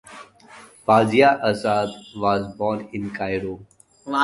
Fawzia Assaad was born in Cairo.